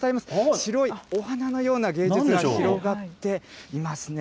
白いお花のような芸術が広がっていますね。